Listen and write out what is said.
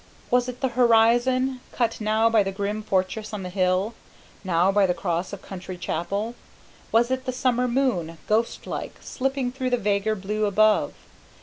Was it the horizon, cut now by the grim fortress on the hill, now by the cross of a country chapel? Was it the summer moon, ghost like, slipping through the vaguer blue above?